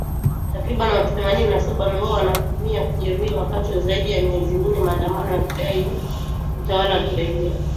Takribani watu themanini na saba wameuawa na mamia kujeruhiwa wakati wa zaidi ya miezi minne ya maandamano ya kudai utawala wa kiraia.